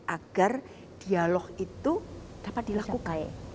agar dialog itu dapat dilakukan